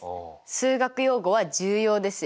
数学用語は重要ですよ。